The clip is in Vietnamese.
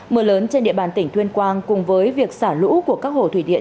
mưa lớn trên địa bàn tỉnh tuyên quang cùng với việc xả lũ của các hồ thủy điện